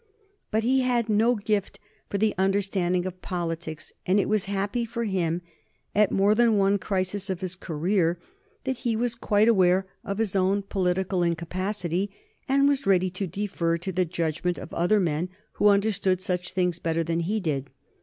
But he had no gift for the understanding of politics, and it was happy for him, at more than one crisis of his career, that he was quite aware of his own political incapacity and was ready to defer to the judgment of other men who understood such things better than he did.